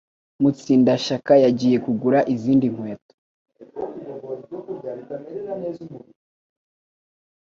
Mutsindashyaka yagiye kugura izindi nkweto.